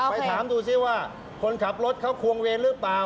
ไปถามดูซิว่าคนขับรถเขาควงเวรหรือเปล่า